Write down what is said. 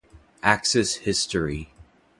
Axis History